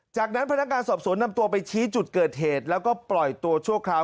จากนั้นพนักงานสอบสวนนำตัวไปชี้จุดเกิดเหตุแล้วก็ปล่อยตัวชั่วคราว